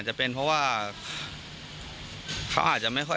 มันต้องการมาหาเรื่องมันจะมาแทงนะ